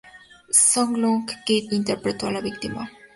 Song Joong Ki interpretó a la víctima.